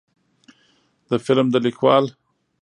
د فلم د لیکوال